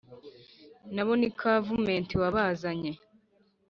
Nabo ni Kavumenti wabazanye